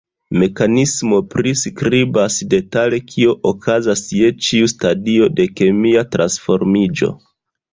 Mekanismo priskribas detale kio okazas je ĉiu stadio de kemia transformiĝo.